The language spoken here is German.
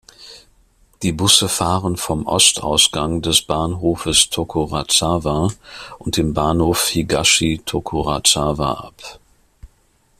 Die Busse fahren vom Ostausgang des Bahnhofes Tokorozawa und dem Bahnhof Higashi-Tokorozawa ab.